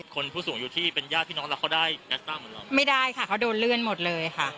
คนผู้สูงอายุที่เป็นญาติพี่น้องแล้วเขาได้แอสต้าเหมือนเราไม่ได้ค่ะเขาโดนเลื่อนหมดเลยค่ะ